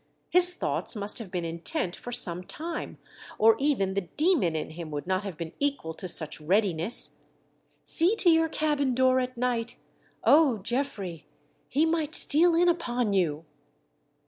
His thoughts must have been intent for some time or even the demon in him. would not have been equal to such readiness. See to your cabin door at night — O ! Geoffrey, he might steal in upon you.